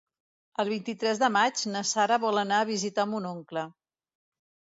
El vint-i-tres de maig na Sara vol anar a visitar mon oncle.